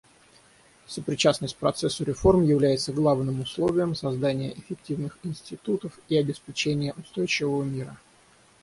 Сопричастность процессу реформ является главным условием создания эффективных институтов и обеспечения устойчивого мира.